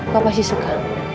bapak sih suka